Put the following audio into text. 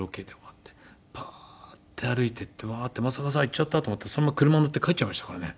パーッて歩いていって正和さん行っちゃったと思ったらそのまま車乗って帰っちゃいましたからね。